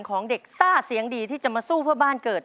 ของเด็กซ่าเสียงดีที่จะมาสู้เพื่อบ้านเกิด